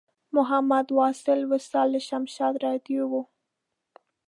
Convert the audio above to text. محمد واصل وصال له شمشاد راډیو و.